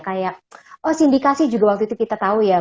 kayak oh sindikasi juga waktu itu kita tahu ya